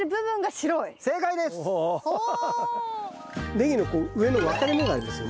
ネギの上の分かれ目がありますよね。